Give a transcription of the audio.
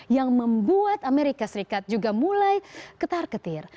yang membuat amerika serikat juga mulai ketar ketir